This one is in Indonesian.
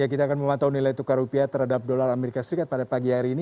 kita akan memantau nilai tukar rupiah terhadap dolar amerika serikat pada pagi hari ini